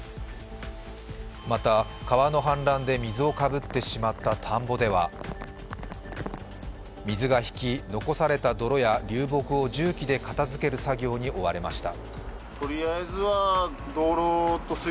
また、川の氾濫で水をかぶってしまった田んぼでは水が引き、残された泥や流木を重機で片付ける作業に追われました。